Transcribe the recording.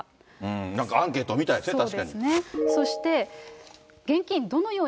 なんかアンケートみたいですね、確かに。